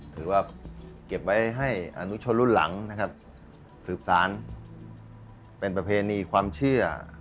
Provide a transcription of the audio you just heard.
ถือว่าเก็บไว้ให้อนุชนรุ่นหลังนะครับสืบสารเป็นประเพณีความเชื่อ